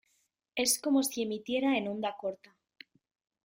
es como si emitiera en onda corta.